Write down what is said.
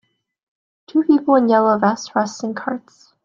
Two people in yellow vests rests in carts